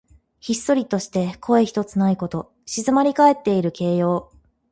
ひっそりとして声ひとつないこと。静まりかえっている形容。